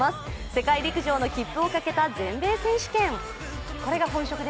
世界陸上の切符をかけた全米選手権。